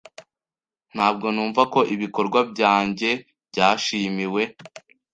Ntabwo numva ko ibikorwa byanjye byashimiwe.